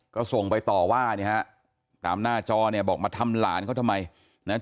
ก็ส่งไปต่อว่าเนี่ยฮะตามหน้าจอเนี่ยบอกมาทำหลานเขาทำไมนะ